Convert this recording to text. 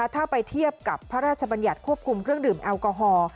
ถ้าไปเทียบกับพระราชบัญญัติควบคุมเครื่องดื่มแอลกอฮอล์